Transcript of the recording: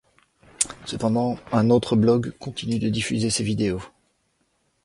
Cependant, un autre blog continue de diffuser ses vidéos.